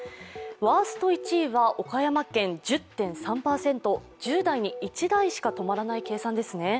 ワースト１位は、岡山県１０．３％。１０台に１台しか止まらない計算ですね。